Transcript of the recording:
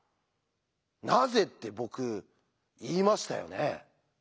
なぜって僕言いましたよね。